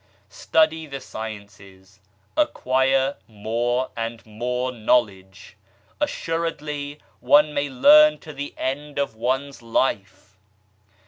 Study the sciences, acquire more and more knowledge. Assuredly one may learn to the end of one's life